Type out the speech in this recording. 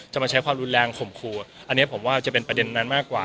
มาใช้ความรุนแรงข่มขู่อันนี้ผมว่าจะเป็นประเด็นนั้นมากกว่า